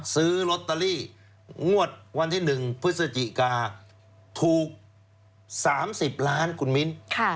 ซื้อลอตเตอรี่งวดวันที่๑พฤศจิกาถูก๓๐ล้านคุณมิ้น